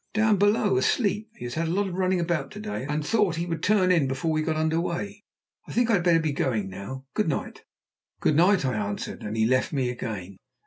"Down below, asleep. He has had a lot of running about to day, and thought he would turn in before we got under way. I think I had better be going now. Good night." "Good night," I answered, and he left me again.